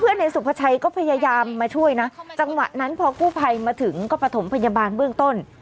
ในสุภาชัยก็พยายามมาช่วยนะจังหวะนั้นพอกู้ภัยมาถึงก็ประถมพยาบาลเบื้องต้น